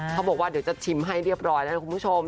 เขาบอกว่าเดี๋ยวจะชิมให้เรียบร้อยแล้วนะคุณผู้ชม